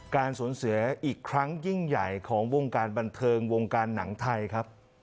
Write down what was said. การสูญเสียอีกครั้งยิ่งใหญ่ของวงการบันเทิงวงการหนังไทยครับ